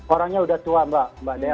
orangnya sudah tua mbak mbak dea